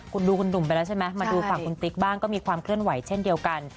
คุณดูคุณหนุ่มไปแล้วใช่ไหมมาดูฝั่งคุณติ๊กบ้างก็มีความเคลื่อนไหวเช่นเดียวกัน